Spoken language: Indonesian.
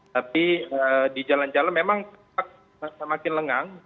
tapi di jalan jalan memang fakta makin lengang